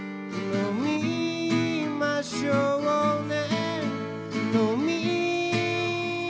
「飲みましょうね」